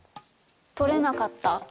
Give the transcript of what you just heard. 取れなかった？